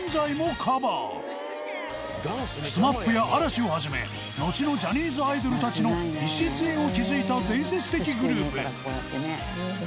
ＳＭＡＰや嵐を始めのちのジャニーズアイドルたちの礎を築いた伝説的グループ。